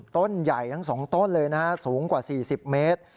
ต้นใหญ่ทั้ง๒ต้นเลยนะฮะสูงกว่า๔๐เมตร